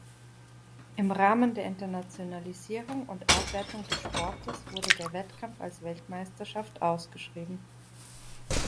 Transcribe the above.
Im Rahmen der Internationalisierung und Aufwertung des Sportes wurde der Wettkampf als Weltmeisterschaft ausgeschrieben.